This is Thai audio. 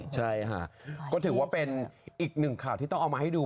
ใช่ค่ะก็ถือว่าเป็นอีกหนึ่งข่าวที่ต้องเอามาให้ดู